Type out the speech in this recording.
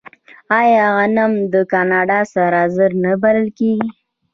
آیا غنم د کاناډا سره زر نه بلل کیږي؟